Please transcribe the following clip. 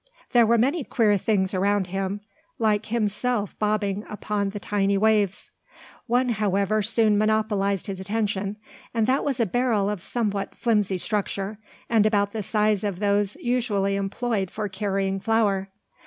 There were many queer things around him, like himself bobbing about upon the tiny waves. One, however, soon monopolised his attention; and that was a barrel of somewhat flimsy structure, and about the size of those usually employed for carrying flour.